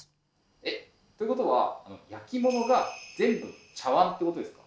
えっということは焼き物が全部茶わんってことですか？